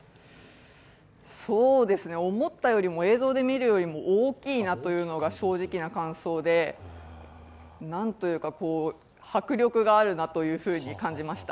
思ったよりも、映像で見るよりも大きいなというのが正直な感想で迫力があるなというふうに感じました。